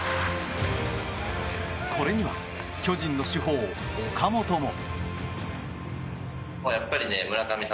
これには巨人の主砲・岡本も。